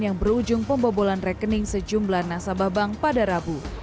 yang berujung pembobolan rekening sejumlah nasabah bank pada rabu